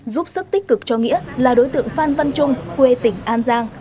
giúp sức tích cực cho nghĩa là đối tượng phan văn trung quê tỉnh an giang